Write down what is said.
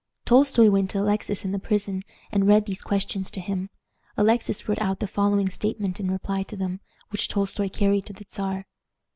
Tolstoi went to Alexis in the prison, and read these questions to him. Alexis wrote out the following statement in reply to them, which Tolstoi carried to the Czar: "I.